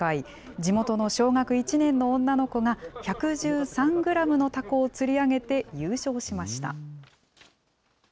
地元の小学１年の女の子が、１１３グラムのタコを釣り上げて、優勝しました。